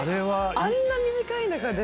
あんな短い中で。